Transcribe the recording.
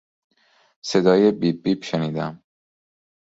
صدای بیب بیب شنیدم.